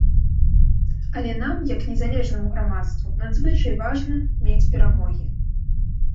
Але нам, як незалежнаму грамадству надзвычай важна мець перамогі.